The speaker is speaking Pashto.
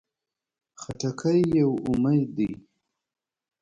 خټکی یو امید دی.